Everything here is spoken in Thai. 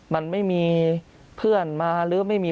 มันไม่มีเพื่อนมาหรือไม่มี